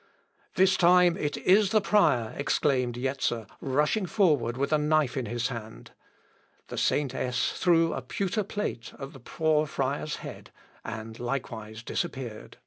"This time it is the prior," exclaimed Jetzer, rushing forward with a knife in his hand. The saintess threw a pewter plate at the poor friar's head, and likewise disappeared.